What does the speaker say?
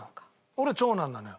俺長男なのよ。